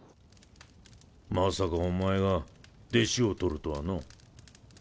まさかお前が弟子を取るとはな。